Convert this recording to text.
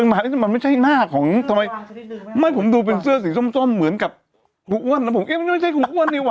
มันไม่ใช่หน้าของผมดูเป็นเสื้อสีส้มเหมือนกับหุ้นแล้วผมไม่ใช่หุ้นหุ้นดีวะ